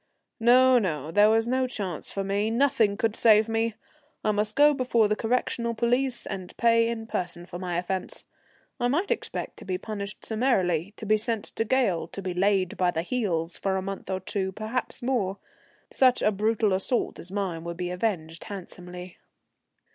No, no, there was no chance for me; nothing could save me. I must go before the correctional police and pay in person for my offence. I might expect to be punished summarily, to be sent to gaol, to be laid by the heels for a month or two, perhaps more. Such a brutal assault as mine would be avenged handsomely.